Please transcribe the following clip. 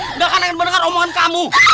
enggak ada orang yang mau mendengar omongan kamu